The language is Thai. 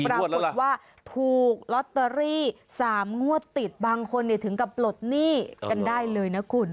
ปรากฏว่าถูกลอตเตอรี่๓งวดติดบางคนถึงกับปลดหนี้กันได้เลยนะคุณ